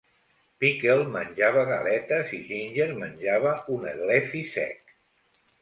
Pickle menjava galetes i Ginger menjava un eglefí sec.